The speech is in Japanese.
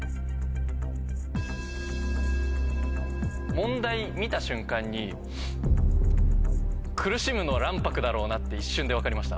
問題見た瞬間に苦しむのは卵白だろうなって一瞬で分かりました。